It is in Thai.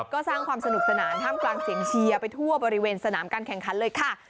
ก็สร้างความสนุกสนานท่ามกลางเสียงเชียร์ไปทั่วบริเวณสนามการแข่งขันเลยค่ะ